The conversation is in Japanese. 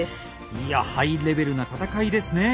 いやハイレベルな戦いですね。